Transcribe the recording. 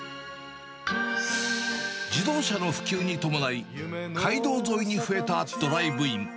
自動車の普及に伴い、街道沿いに増えたドライブイン。